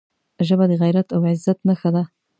ژبه د غیرت او عزت نښه ده